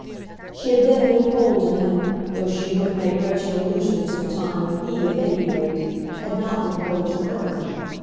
She had then been cold to him, though she would make wretched allusions to the time when he, at any rate, had not been cold to her.